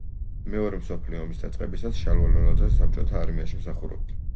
მეორე მსოფლიო ომის დაწყებისას შალვა ლოლაძე საბჭოთა არმიაში მსახურობდა.